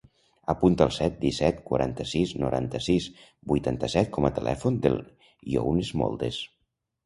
Apunta el set, disset, quaranta-sis, noranta-sis, vuitanta-set com a telèfon del Younes Moldes.